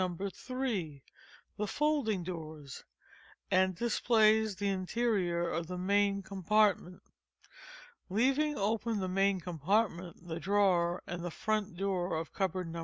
3, (the folding doors) and displays the interior of the main compartment. Leaving open the main compartment, the drawer, and the front door of cupboard No.